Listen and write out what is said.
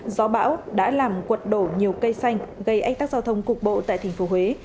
gió bão đã làm quật đổ nhiều cây xanh gây ách tác giao thông cục bộ tại thành phố huế